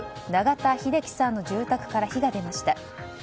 永田英輝さんの住宅から火が出ました。